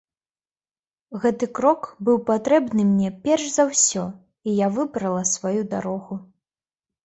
Гэты крок быў патрэбны мне перш за ўсё, і я выбрала сваю дарогу.